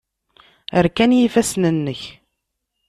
Rkan yifassen-nnek.